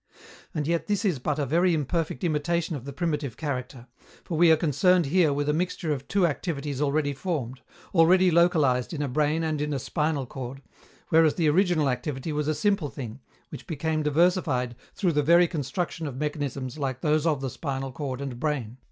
And yet this is but a very imperfect imitation of the primitive character, for we are concerned here with a mixture of two activities already formed, already localized in a brain and in a spinal cord, whereas the original activity was a simple thing, which became diversified through the very construction of mechanisms like those of the spinal cord and brain.